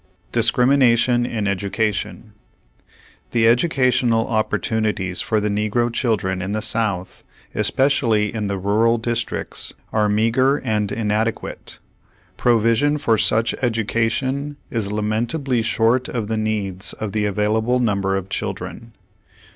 DISCEIMINATION IN EDUCATION The educational opportunities for the negro children in the South, especially in the rural dis tricts, are meager and inadequate. Provision for such education is lamentably short of the needs of the available number of children.